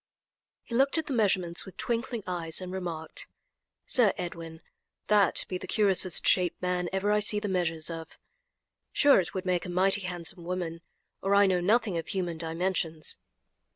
He looked at the measurements with twinkling eyes, and remarked: "Sir Edwin, that be the curiousest shaped man ever I see the measures of. Sure it would make a mighty handsome woman, or I know nothing of human dimensions."